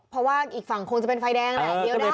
เพราะว่าอีกฝั่งคงจะเป็นไฟแดงแหละเลี้ยวได้